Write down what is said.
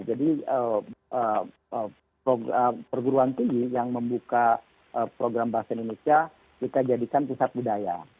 jadi perguruan tinggi yang membuka program bahasa indonesia kita jadikan pusat budaya